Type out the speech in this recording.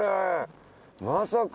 まさか。